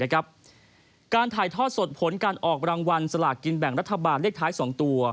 การถ่ายทอดสดผลการออกรางวัลสลากกินแบ่งรัฐบาลเลขท้าย๒ตัว